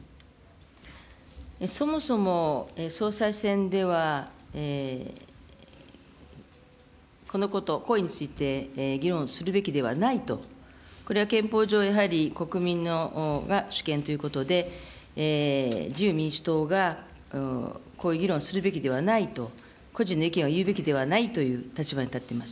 そもそも総裁選では、このこと、皇位について議論するべきではないと、これは憲法上、やはり国民が主権ということで、自由民主党がこういう議論をするべきではないと、個人の意見を言うべきではないかという立場に立っています。